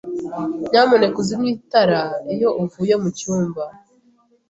Nyamuneka uzimye itara iyo uvuye mucyumba.